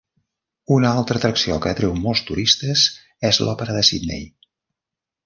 Una altra atracció que atreu molts turistes és l'Òpera de Sydney.